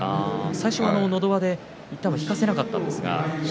最初のど輪で引かせなかったんですが。